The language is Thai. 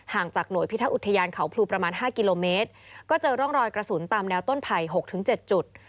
จากหน่วยพิทักษ์อุทยานเขาพลูประมาณ๕กิโลเมตรก็เจอร่องรอยกระสุนตามแนวต้นไผ่๖๗จุด